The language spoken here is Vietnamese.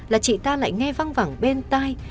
là chị ta lại nghe văng vẳng bên tay